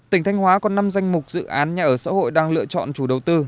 tỉnh thanh hóa có năm danh mục dự án nhà ở xã hội đang lựa chọn chủ đầu tư